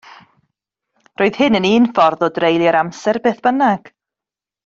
Roedd hyn yn un ffordd o dreulio'r amser, beth bynnag.